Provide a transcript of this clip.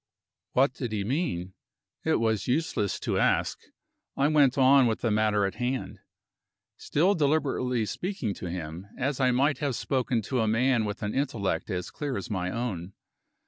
What did he mean? It was useless to ask. I went on with the matter in hand still deliberately speaking to him, as I might have spoken to a man with an intellect as clear as my own.